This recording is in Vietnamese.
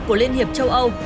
của liên hiệp châu âu